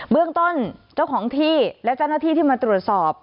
เรื่องต้นเจ้าของที่และเจ้าหน้าที่ที่มาตรวจสอบ